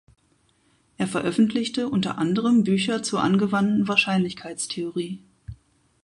Er veröffentlichte unter anderem Bücher zur angewandten Wahrscheinlichkeitstheorie.